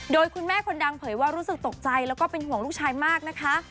โดยคุณแม่คนดังเผยว่ารู้สึกตกใจแล้วก็เป็นห่วงลูกชายมากนะคะ